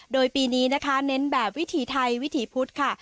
โดยปีนี้นะคะเน้นแบบวิถีไทยวิถีพุทธค่ะ